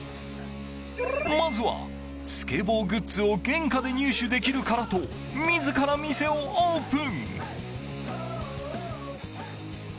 まずは、スケボーグッズを原価で入手できるからと自ら店をオープン。